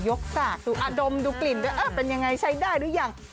ยกสากดูอดมดูกลิ่นดูเอ๊ะเป็นยังไงใช้ได้ด้วยยัง